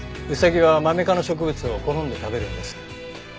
ウサギはマメ科の植物を好んで食べるんです。